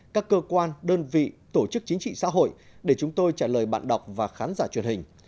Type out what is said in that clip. các cơ quan đơn vị tổ chức chính trị xã hội để chúng tôi trả lời bạn đọc và khán giả truyền hình